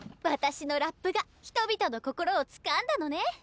私のラップが人々の心をつかんだのね。